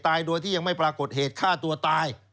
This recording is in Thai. โดยที่ยังไม่ปรากฏเหตุฆ่าตัวตาย